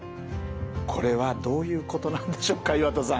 これはどういうことなんでしょうか岩田さん。